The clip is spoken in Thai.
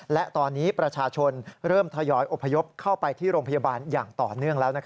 และตอนนี้ประชาชนเริ่มทยอยอพยพเข้าไปที่โรงพยาบาลอย่างต่อเนื่องแล้ว